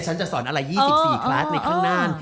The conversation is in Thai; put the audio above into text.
ฉันจะสอนอะไร๒๔คลาสในข้างหน้า